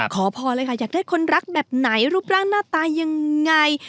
ขอพรเลยค่ะอยากได้คนรักแบบไหนรูปร่างหน้าตายังไง